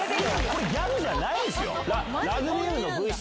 これギャグじゃないんすよ。